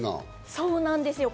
そうなんですよ。